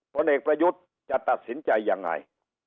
ผลเอกประยุทธ์จะตัดสินใจยังไง